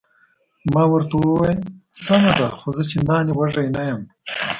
ما ورته وویل: سمه ده، خو زه چندانې وږی نه یم.